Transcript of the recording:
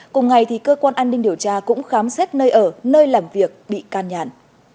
cùng ngày cơ quan an ninh điều tra cũng khám xét nơi ở nơi làm việc bị can nhàn